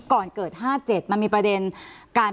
ก่อนเกิด๕๗มันมีประเด็นการประท้ากัน